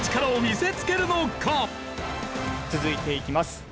続いていきます。